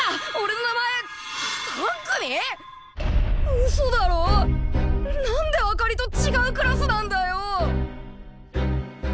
うそだろなんであかりとちがうクラスなんだよ！？